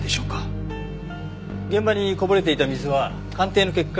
現場にこぼれていた水は鑑定の結果